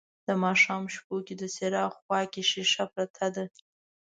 د ماښام شپو کې د څراغ خواکې شیشه پرته ده